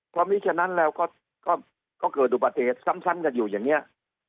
พร้อมนี้ฉะนั้นแล้วก็เกิดอุปเทศซ้ำซ้ำกันอยู่อย่างเงี้ย